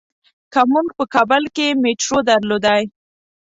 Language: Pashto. که مونږ په کابل کې میټرو درلودلای.